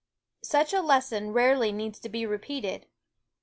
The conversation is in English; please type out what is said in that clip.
Such a lesson rarely needs to be repeated.